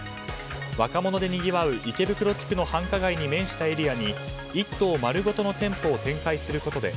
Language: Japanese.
若者でにぎわう池袋地区の繁華街に面したエリアに１棟丸ごとの店舗を展開することで